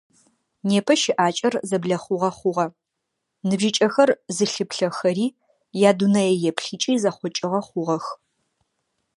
Непэ щыӀакӀэр зэблэхъугъэ хъугъэ, ныбжьыкӀэхэр зылъыплъэхэри, ядунэееплъыкӀи зэхъокӀыгъэ хъугъэх.